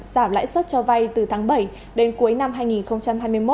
giảm lãi suất cho vay từ tháng bảy đến cuối năm hai nghìn hai mươi một